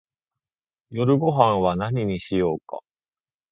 夜ごはんは何にしようか